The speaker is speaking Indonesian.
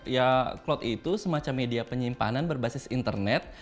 ya clot itu semacam media penyimpanan berbasis internet